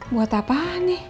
buat apa nih